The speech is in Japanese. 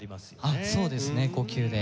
あっそうですね呼吸で。